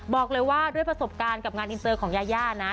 บอกเลยว่าด้วยประสบการณ์กับงานอินเตอร์ของยาย่านะ